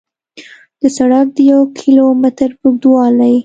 د سړک د یو کیلو متر په اوږدوالي